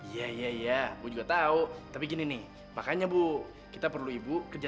sampai jumpa di video selanjutnya